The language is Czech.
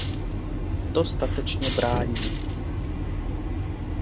To statečně brání.